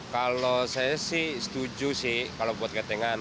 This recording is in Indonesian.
kalau saya sih setuju sih kalau buat gentengan